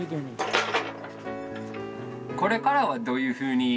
これからはどういうふうに？